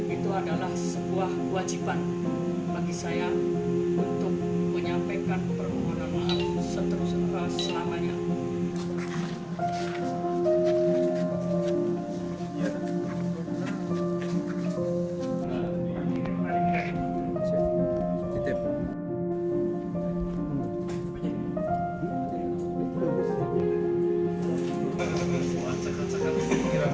itu adalah sebuah kewajiban bagi saya untuk menyampaikan kemohonan maaf seterusnya selamanya